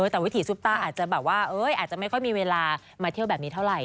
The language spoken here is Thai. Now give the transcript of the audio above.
แต่วิถีซุปตาอาจจะแบบว่าอาจจะไม่ค่อยมีเวลามาเที่ยวแบบนี้เท่าไหร